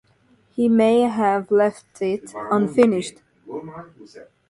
He may have left it unfinished.